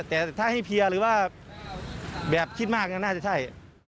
แต่ถ้าให้เพียร์หรือว่าแบบคิดมากน่าจะใช่